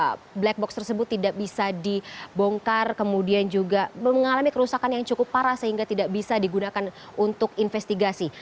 karena black box tersebut tidak bisa dibongkar kemudian juga mengalami kerusakan yang cukup parah sehingga tidak bisa digunakan untuk investigasi